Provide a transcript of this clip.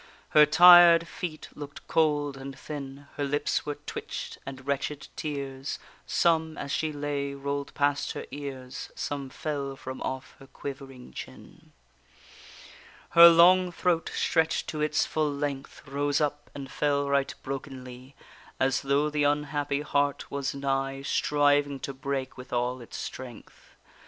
Her tired feet look'd cold and thin, Her lips were twitch'd, and wretched tears, Some, as she lay, roll'd past her ears, Some fell from off her quivering chin. Her long throat, stretched to its full length, Rose up and fell right brokenly; As though the unhappy heart was nigh Striving to break with all its strength.